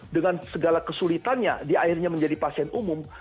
dengan segala kesulitannya dia akhirnya menjadi pasien umum